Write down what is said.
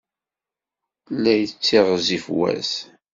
La yettiɣzif wass.